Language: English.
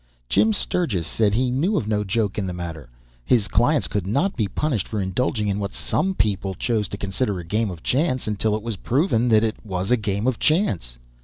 Jim Sturgis said he knew of no joke in the matter his clients could not be punished for indulging in what some people chose to consider a game of chance until it was proven that it was a game of chance.